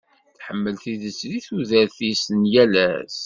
Tḥemmel tidet deg tudert-is n yal ass.